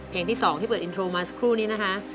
เพลงที่๒ที่เปิดอินโทรมาสักครู่นี้นะคะ